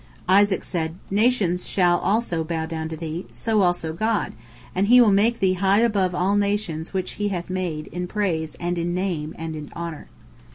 Isaac said, "Nations shall bow down to thee," so also God: "And He will make thee high above all nations which He hath made, in praise, and in name, and in honor."